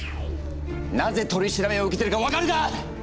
なぜ取り調べを受けているか分かるか？